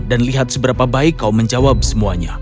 dan lihat seberapa baik kau menjawab semuanya